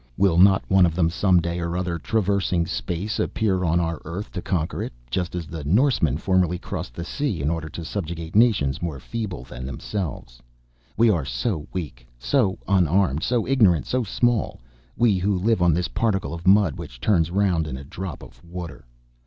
Will not one of them, some day or other, traversing space, appear on our earth to conquer it, just as the Norsemen formerly crossed the sea in order to subjugate nations more feeble than themselves? We are so weak, so unarmed, so ignorant, so small, we who live on this particle of mud which turns round in a drop of water.